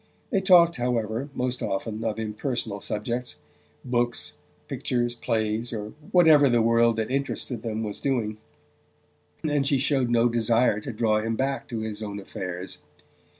They talked, however, most often of impersonal subjects books, pictures, plays, or whatever the world that interested them was doing and she showed no desire to draw him back to his own affairs.